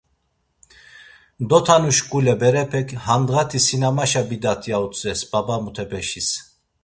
Dotanuşkule berepek 'handğa ti sinemaşa bidat' ya utzves baba mutepeşis.